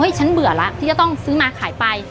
ฉันเบื่อแล้วที่จะต้องซื้อมาขายไป